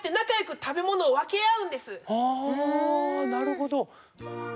ああなるほど。